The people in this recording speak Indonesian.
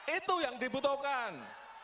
itu yang dibutuhkan